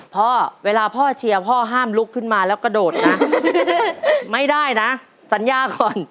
พ่อเวลาพ่อเชียร์พ่อห้ามลุกขึ้นมาแล้วกระโดดนะไม่ได้นะสัญญาก่อน